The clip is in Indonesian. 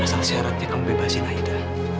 sanksi syaratnya kamu bebasin aida